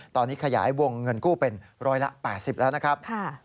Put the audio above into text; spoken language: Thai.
ตอนนี้ขยายวงเงินกู้เป็นร้อยละ๘๐แล้วนะครับ